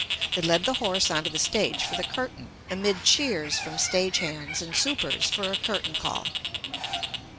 They led the horse onto the stage for the curtain, amid cheers from stagehands and supers for a curtain call.